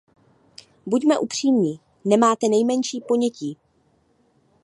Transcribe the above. Buďme upřímní, nemáte nejmenší ponětí.